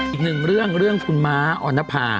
อีกหนึ่งเรื่องเรื่องคุณม้าออนภา